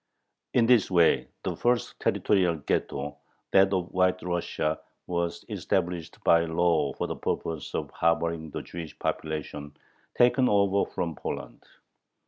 In this way the first territorial ghetto, that of White Russia, was established by law for the purpose of harboring the Jewish population taken over from Poland.